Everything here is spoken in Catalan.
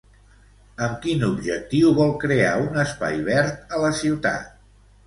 Amb quin objectiu vol crear un espai verd a la ciutat?